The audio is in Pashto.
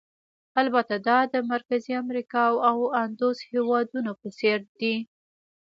البته دا د مرکزي امریکا او اندوس هېوادونو په څېر دي.